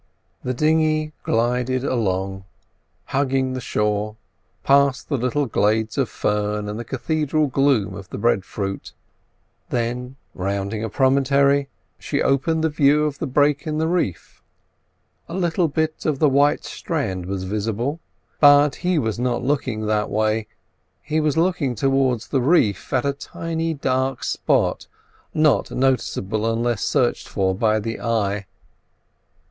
The dinghy glided along, hugging the shore, past the little glades of fern and the cathedral gloom of the breadfruit; then, rounding a promontory, she opened the view of the break in the reef. A little bit of the white strand was visible, but he was not looking that way—he was looking towards the reef at a tiny, dark spot, not noticeable unless searched for by the eye.